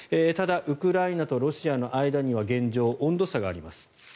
ただウクライナとロシアの間には現状、温度差があります。